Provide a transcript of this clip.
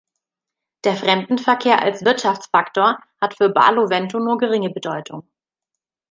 Der Fremdenverkehr als Wirtschaftsfaktor hat für Barlovento nur geringe Bedeutung.